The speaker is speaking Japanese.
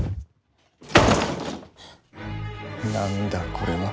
何だこれは。